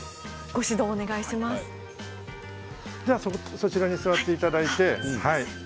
そちらに座っていただいて。